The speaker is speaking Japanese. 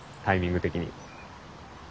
タイミング的に。